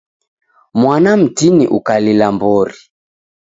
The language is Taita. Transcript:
Mwana mtini ukalila mbori.